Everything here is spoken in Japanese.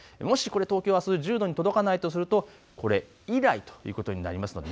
もし東京あす１０度に届かないとするとこれ以来ということになります。